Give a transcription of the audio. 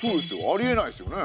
ありえないですよね。